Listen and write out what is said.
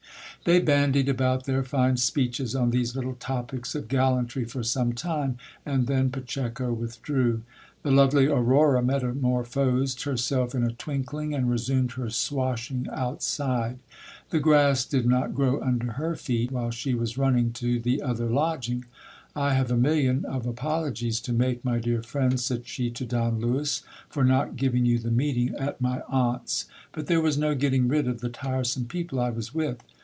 They bandied about their fine speeches on these little topics of gallantry for some time, and then Pacheco withdrew. The lovely Aurora metamorphosed herself in a twinkling, and resumed her swashing outside. The grass did not grow under her feet while she was running to the other lodging. I have a mil lion of apologies to make, my dear friend, said she to Don Lewis, for not giving yo.i the meeting at my aunt's ; but there was no getting rid of the tiresome pe Dple I was with.